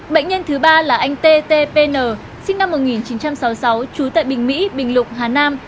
bệnh nhân thứ ba là anh t t p n sinh năm một nghìn chín trăm sáu mươi sáu trú tại bình mỹ bình lục hà nam